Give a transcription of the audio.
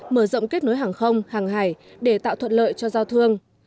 mở rộng kết nối hàng không hàng hải để tạo thuận lợi cho giao thương